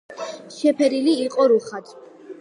შეფერილი იყო რუხად.